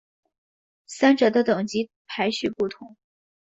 三者的等级排序不同。